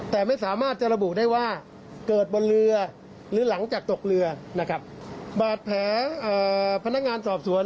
แล้วก็ไม่พบว่ามีการฟันหัดตามที่เป็นข่าวทางโซเชียลก็ไม่พบ